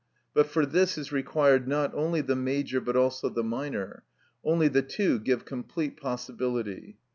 But for this is required not only the major but also the minor; only the two give complete possibility.